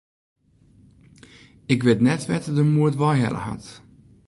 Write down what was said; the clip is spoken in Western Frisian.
Ik wit net wêr't er de moed wei helle hat.